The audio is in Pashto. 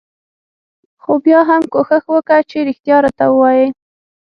خو بيا هم کوښښ وکه چې رښتيا راته وايې.